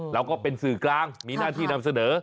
เราก็เป็นสื่อกลางมีหน้าที่นำเสนอ